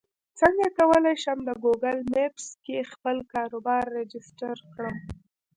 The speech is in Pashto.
څنګه کولی شم د ګوګل مېپس کې خپل کاروبار راجستر کړم